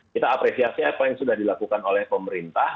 kita apresiasi apa yang sudah dilakukan oleh pemerintah